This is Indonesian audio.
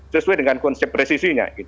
sesuai dengan konsep presisinya